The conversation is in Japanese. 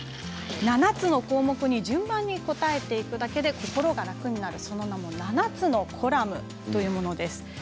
７つの項目に順番に答えていくだけで心が楽になるその名も、７つのコラムです。